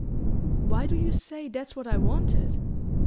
"Why do you say that's what I wanted?